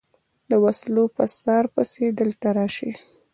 د وسلو په څار پسې دلته راشي.